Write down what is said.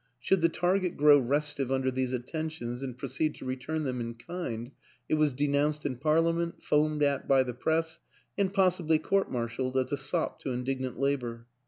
Should the target grow restive under these attentions and proceed to return them in kind, it was denounced in Parlia ment, foamed at by the Press, and possibly court martialed as a sop to indignant Labor.